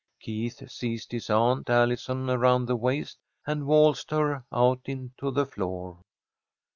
Keith seized his Aunt Allison around the waist and waltzed her out into the floor.